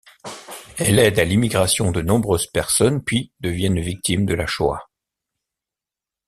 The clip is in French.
Elle aide à l'émigration de nombreuses personnes, puis devient une victime de la Shoah.